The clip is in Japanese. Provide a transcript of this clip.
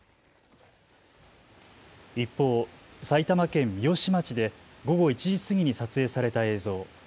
一方、埼玉県三芳町で午後１時過ぎに撮影された映像。